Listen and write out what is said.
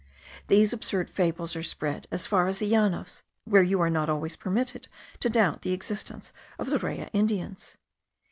These absurd fables are spread as far as the Llanos, where you are not always permitted to doubt the existence of the Raya Indians.